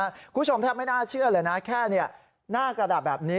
คุณผู้ชมแทบไม่น่าเชื่อเลยนะแค่หน้ากระดาษแบบนี้